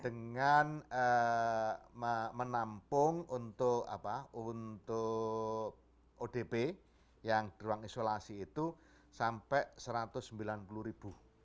dengan menampung untuk odp yang ruang isolasi itu sampai satu ratus sembilan puluh ribu